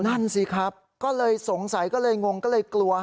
นั่นสิครับก็เลยสงสัยก็เลยงงก็เลยกลัว